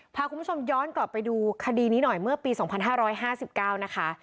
พาคุณผู้ชมย้อนกลับไปดูคดีนี้หน่อยเมื่อปีสองพันห้าร้อยห้าสิบเก้านะคะ